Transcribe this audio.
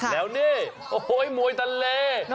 แล้วนี่โอ้โหมวยทะเล